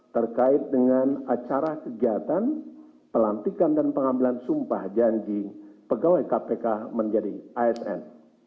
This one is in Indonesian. terkait dengan acara kegiatan pelantikan dan pengambilan sumpah janji pegawai kpk menjadi asn